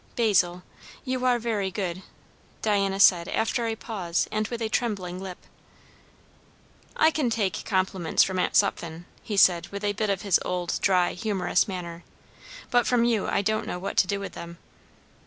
"Basil you are very good!" Diana said after a pause and with a trembling lip. "I can take compliments from Aunt Sutphen," he said with a bit of his old dry humorous manner, "but from you I don't know what to do with them.